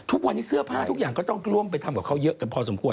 ทุกวันนี้เสื้อผ้าทุกอย่างก็ต้องร่วมไปทำกับเขาเยอะกันพอสมควร